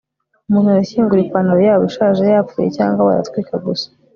umuntu arashyingura ipantaro yabo ishaje yapfuye, cyangwa baratwika gusa